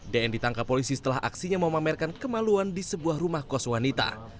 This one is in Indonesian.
dn ditangkap polisi setelah aksinya memamerkan kemaluan di sebuah rumah kos wanita